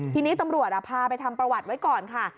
ทีนี้ตำรวจพาไปทำประวัติไว้ก่อนค่ะ